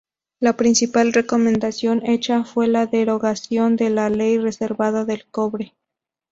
La principal recomendación hecha fue la derogación de la Ley Reservada del Cobre.